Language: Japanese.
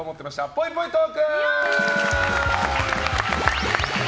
ぽいぽいトーク！